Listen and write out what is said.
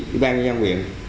ủy ban nhân dân nguyện